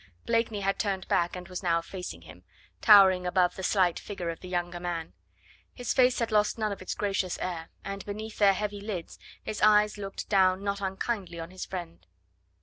Blakeney had turned back and was now facing him, towering above the slight figure of the younger man. His face had lost none of its gracious air, and beneath their heavy lids his eyes looked down not unkindly on his friend.